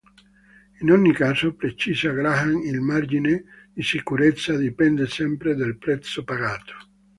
In ogni caso, precisa Graham, "il margine di sicurezza dipende sempre dal prezzo pagato".